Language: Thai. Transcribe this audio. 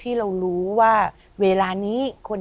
พี่น้องรู้ไหมว่าพ่อจะตายแล้วนะ